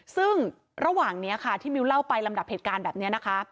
ซึ่งระหว่างนี้ค่ะที่มิวเล่าไปลำดับเหตุการณ์แบบนี้นะคะ